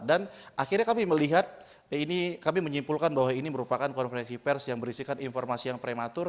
dan akhirnya kami melihat kami menyimpulkan bahwa ini merupakan konferensi pers yang berisikan informasi yang prematur